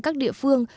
các địa phương